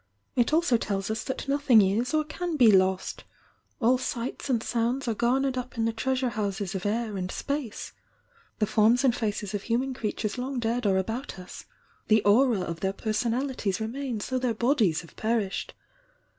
It also tells us that nothing is, or can be lost; all sights and sounds are garnered up in the treasure houses of air and space. The forms and faces of human crea tures long dead are about us, — the aura of their per sonalities remains though their bodies have perished.